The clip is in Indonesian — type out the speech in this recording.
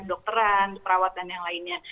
dokteran perawat dan yang lainnya